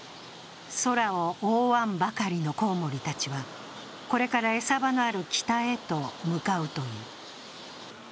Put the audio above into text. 空を覆わんばかりのコウモリたちは、これから餌場のある北へと向かうという。